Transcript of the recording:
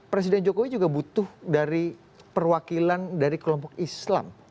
presiden jokowi juga butuh dari perwakilan dari kelompok islam